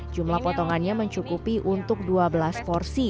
jumlah potongannya mencukupi untuk dua belas porsi